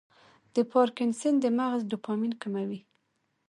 د پارکنسن د مغز ډوپامین کموي.